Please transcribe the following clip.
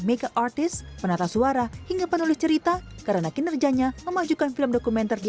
make artist penata suara hingga penulis cerita karena kinerjanya memajukan film dokumenter di